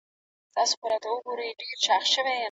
په قلم لیکنه کول د ذهن او بدن ترمنځ پول جوړوي.